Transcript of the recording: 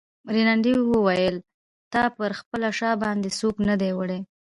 رینالډي وپوښتل: تا پر خپله شا باندې څوک نه دی وړی؟